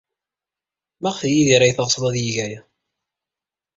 Maɣef d Yidir ay teɣsed ad yeg aya?